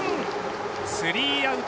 スリーアウト。